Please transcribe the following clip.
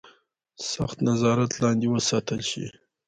سخت نظارت لاندې وساتل شي.